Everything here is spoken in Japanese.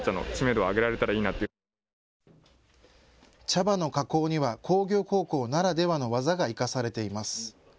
茶葉の加工には工業高校ならではの技が生かされています。